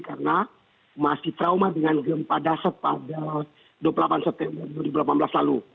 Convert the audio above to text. karena masih trauma dengan gempa dasar pada dua puluh delapan september dua ribu delapan belas lalu